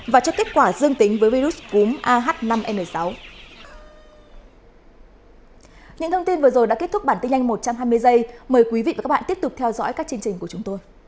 và cho kết quả dương tính với virus cúm ah năm n sáu